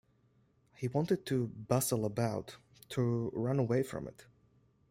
He wanted to bustle about, to run away from it.